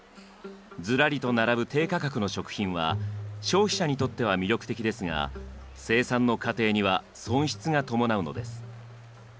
ずらりと並ぶ低価格の食品は消費者にとっては魅力的ですが生産の過程には損失が伴うのです。